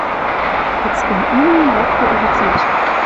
Кӹцкӹм имни лӓктӹ ӧлицӓш.